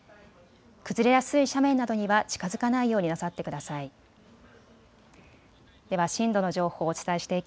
崩れやすい斜面などには近づかないようになさってください。